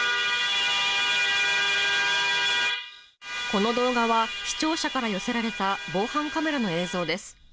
この動画は視聴者から寄せられた防犯カメラの映像です。